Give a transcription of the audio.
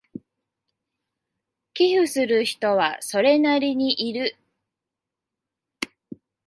寄付する人はそれなりにいる